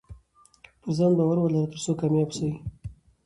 پرځان باور ولره ترڅو کامياب سې